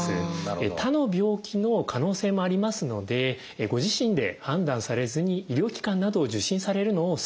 他の病気の可能性もありますのでご自身で判断されずに医療機関などを受診されるのをおすすめします。